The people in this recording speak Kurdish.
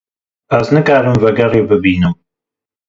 Ez nikarim vegerê bibînim?